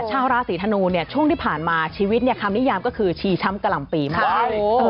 ชาวราศีธนูเนี่ยช่วงที่ผ่านมาชีวิตคำนิยามก็คือชีช้ำกะหล่ำปีมาก